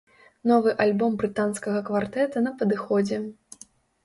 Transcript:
Новы альбом брытанскага квартэта на падыходзе!